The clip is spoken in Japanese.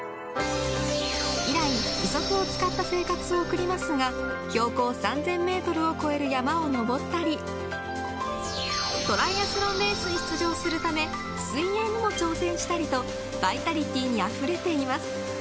以来、義足を使った生活を送りますが標高３０００メートルを超える山を登ったりトライアスロンレースに出場するため水泳にも挑戦したりとバイタリティーにあふれています。